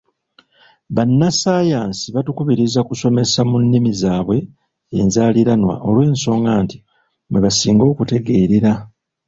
Bannassaayansi batukubiriza kubasomesa mu nnimi zaabwe enzaaliranwa olw’ensonga nti mwe basinga okutegeerera.